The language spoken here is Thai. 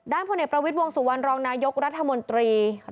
ด้านพนิตประวิทย์วงศุวรรณรองนายกรัฐมนตรี